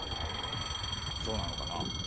そうなのかな？